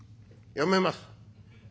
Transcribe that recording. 「やめます。